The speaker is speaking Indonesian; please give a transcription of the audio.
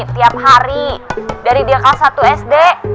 tiap hari dari dia kelas satu sd